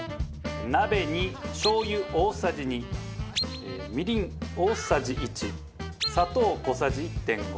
鍋にしょう油大さじ２みりん大さじ１砂糖小さじ１．５